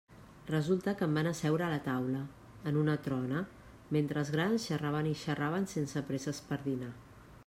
Resulta que em van asseure a taula, en una trona, mentre els grans xerraven i xerraven sense presses per dinar.